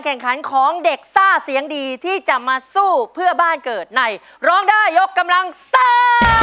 แข่งขันของเด็กซ่าเสียงดีที่จะมาสู้เพื่อบ้านเกิดในร้องได้ยกกำลังซ่า